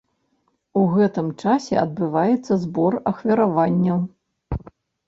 У гэтым часе адбываецца збор ахвяраванняў.